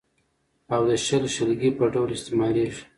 او د شل، شلګي په ډول استعمالېږي.